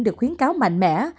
được khuyến cáo mạnh mẽ